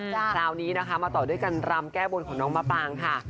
คราวนี้นะคะมาต่อด้วยการรำแก้บนของน้องมะปางค่ะ